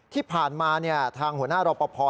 ที่ผ่านมาทางหัวหน้ารอปภ